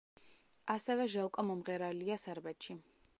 ასევე ჟელკო მომღერალია სერბეთში.